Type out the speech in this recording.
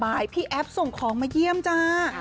พี่แอฟส่งของมาเยี่ยมจ้า